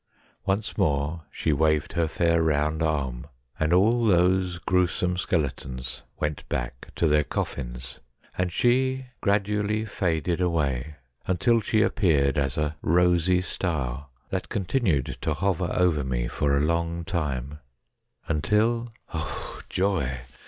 Once more she waved her fair round arm, and all those gruesome skeletons went back to their coffins, and she gradually faded away until she appeared as a rosy star that continued to hover over me for a long time, until oh, joy